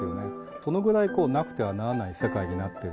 そのぐらいなくてはならない世界になっている。